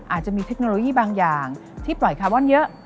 อาจจะมีเทคโนโลยีบางอย่างที่ปล่อยคาร์บอนเยอะ